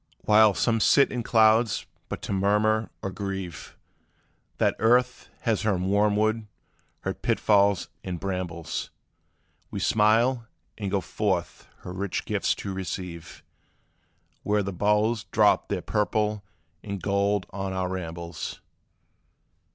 While some sit in clouds but to murmur, or grieve That earth has her wormwood, her pitfalls, and brambles; We smile, and go forth her rich gifts to receive, Where the boughs drop their purple and gold on our rambles.